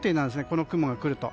この雲が来ると。